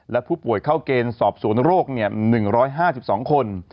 และผู้ป่วยเข้าเกณฑ์สอบสวนโรค๑๕๒คน